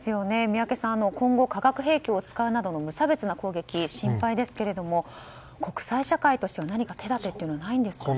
宮家さん、今後化学兵器を使うなどの無差別な攻撃が心配ですけれども国際社会としては何か手立てというのはないんですかね。